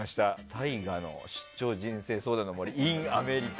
ＴＡＩＧＡの出張人生相談の森ｉｎアメリカ。